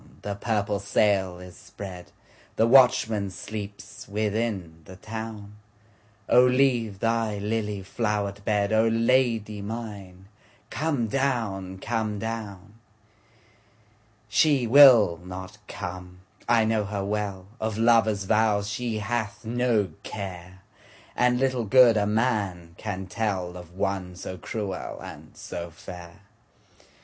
the purple sail is spread, The watchman sleeps within the town,O leave thy lily flowered bed,O Lady mine come down, come down! She will not come, I know her well, Of lover's vows she hath no care, And little good a man can tellOf one so cruel and so fair.